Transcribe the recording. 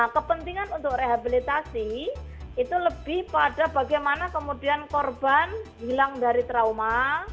kepentingan untuk rehabilitasi itu lebih pada bagaimana kemudian korban hilang dari trauma